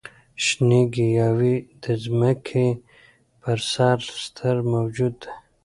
شنې ګیاوې د ځمکې پر سر ستر موجود دي.